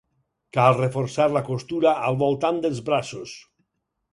Cal reforçar la costura al voltant dels braços.